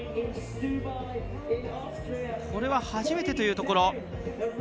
これは初めてというところ。